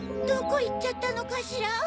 どこいっちゃったのかしら？